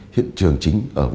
hiện trường chính